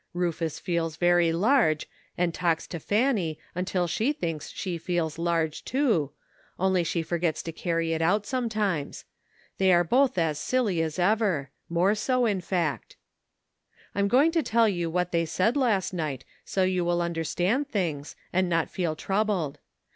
Rufus feels very large, and talks to Fanny until she thinks she feels large too, only she forgets to carry it out sometimes ; they are both as silly as ever — more so, in fact. " I'm going to tell you what they said last night, so you will understand things, and not feel troubled.